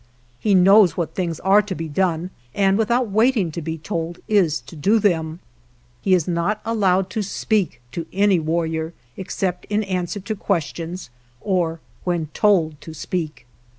He knows what things are to be done, and without waiting to be told is to do them. He is not allowed to speak to any warrior except in answer to ques tions or when told to speak.